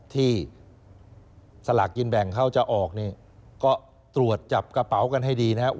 ที่สลากกินแบ่งเขาจะออกเนี่ยก็ตรวจจับกระเป๋ากันให้ดีนะครับ